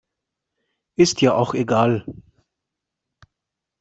Ist ja auch egal.